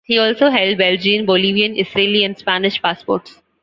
He also held Belgian, Bolivian, Israeli, and Spanish passports.